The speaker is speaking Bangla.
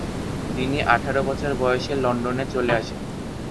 তিনি আঠারো বছর বয়সে লন্ডনে চলে আসেন।